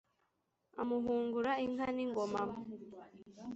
Amuhungura inka n’ingoma,